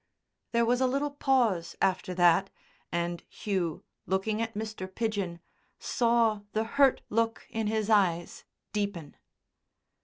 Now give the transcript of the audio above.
There was a little pause after that, and Hugh, looking at Mr. Pidgen, saw the hurt look in his eyes deepen.